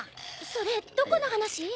それどこの話？